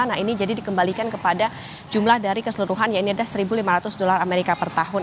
nah ini jadi dikembalikan kepada jumlah dari keseluruhan ya ini ada satu lima ratus dolar amerika per tahun